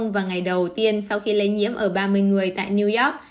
và ngày đầu tiên sau khi lây nhiễm ở ba mươi người tại new york